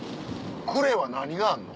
呉は何があんの？